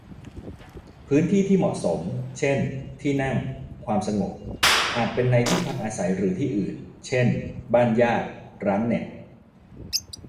พื้นที่ที่เหมาะสม เช่น ที่นั่ง ความสงบ อาจเป็นในที่พักอาศัยหรือที่อื่น เช่น บ้านญาติ ร้านเน็ต